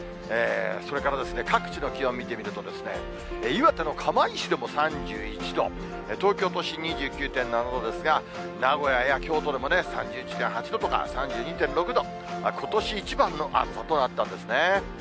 それから、各地の気温見てみると、岩手の釜石でも３１度、東京都心２９．７度ですが、名古屋や京都でも３１．８度とか、３２．６度、ことし一番の暑さとなったんですね。